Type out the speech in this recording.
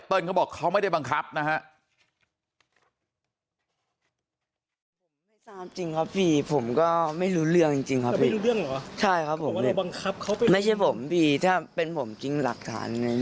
เขาบอกเขาไม่ได้บังคับนะฮะ